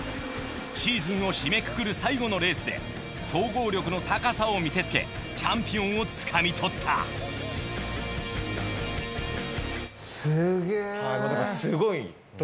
シーズンを締めくくる最後のレースで総合力の高さを見せつけチャンピオンをつかみ取ったすげぇ。